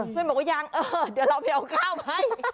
เพื่อนบอกว่ายังเออเดี๋ยวเราไปเอาข้าวไป